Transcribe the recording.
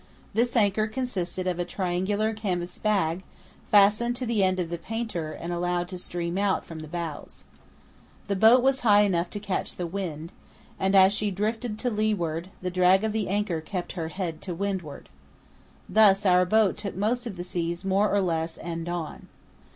This anchor consisted of a triangular canvas bag fastened to the end of the painter and allowed to stream out from the bows. The boat was high enough to catch the wind, and, as she drifted to leeward, the drag of the anchor kept her head to windward. Thus our boat took most of the seas more or less end on.